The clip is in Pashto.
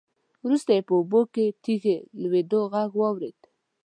وروسته يې په اوبو کې د تېږې د لوېدو غږ واورېد.